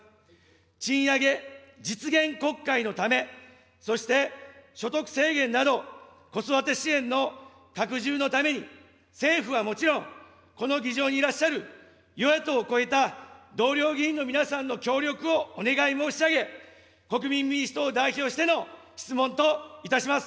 賃上げ実現国会のため、そして所得制限など、子育て支援の拡充のために、政府はもちろん、この議場にいらっしゃる与野党を超えた同僚議員の皆さんの協力をお願い申し上げ、国民民主党を代表としての質問といたします。